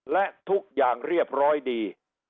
และทุกอย่างเรียบร้อยดี